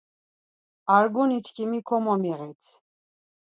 Arguniçkimi komomiğit.